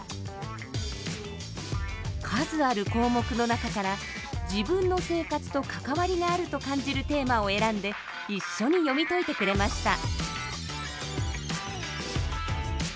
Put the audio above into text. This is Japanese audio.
数ある項目の中から「自分の生活と関わりがある」と感じるテーマを選んで一緒に読み解いてくれました。